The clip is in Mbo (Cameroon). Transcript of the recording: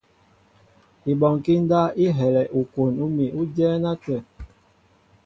Ibɔnkí ndáp i helɛ ukwon úmi ú dyɛ́ɛ́n átə̂.